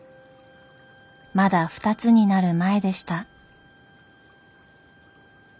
まだ２つになる前でした。